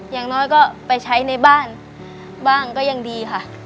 อย่างน้อยก็ไปใช้ในบ้านบ้างก็ยังดีค่ะ